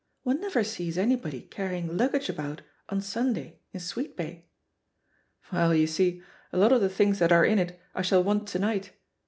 One never sees anybody carrying luggage about on Sunday in Sweetbay." "Well, you see, a lot of the things that are in it I shall want to night.